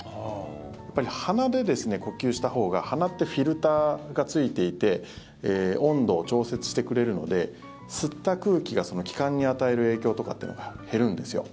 やっぱり鼻で呼吸したほうが鼻ってフィルターがついていて温度調節してくれるので吸った空気が器官に与える影響とかってのが減るんですよ。